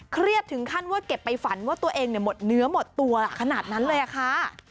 เครียดถึงขั้นว่าเก็บไปฝันว่าตัวเองหมดเนื้อหมดตัวขนาดนั้นเลยอะค่ะ